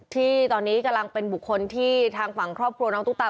ที่ตอนนี้กำลังเป็นบุคคลที่ทางฝั่งครอบครัวน้องตุ๊กตา